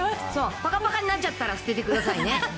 ぱかぱかになっちゃったら捨ててくださいね。